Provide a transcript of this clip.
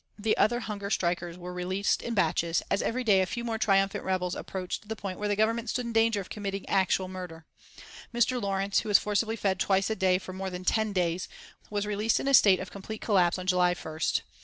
The other hunger strikers were released in batches, as every day a few more triumphant rebels approached the point where the Government stood in danger of committing actual murder. Mr. Lawrence, who was forcibly fed twice a day for more than ten days, was released in a state of complete collapse on July 1st.